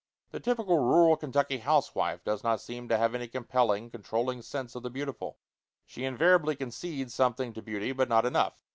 The typical rural Kentucky housewife does not seem to have any compelling, controlling sense of the beautiful. She invariably concedes something to beauty, but not enough.